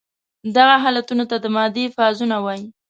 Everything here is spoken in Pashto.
دغه حالتونو ته د مادې فازونه وايي.